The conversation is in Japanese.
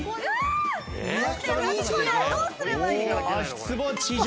どうすればいいの？